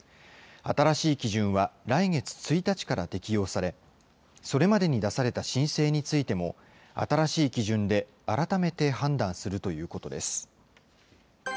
新しい基準は来月１日から適用され、それまでに出された申請についても、新しい基準で改めて判断するということです。